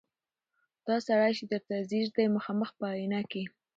دا سړی چي درته ځیر دی مخامخ په آیینه کي